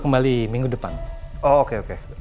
kembali minggu depan oh oke oke